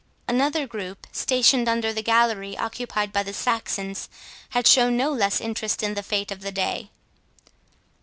Another group, stationed under the gallery occupied by the Saxons, had shown no less interest in the fate of the day.